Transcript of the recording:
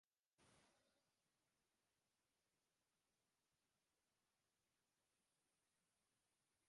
It is finansjeel ek net datst seist in fetpot tsjinwurdich.